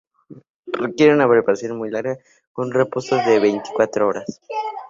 Requiere una preparación muy larga, con un reposo de veinticuatro horas.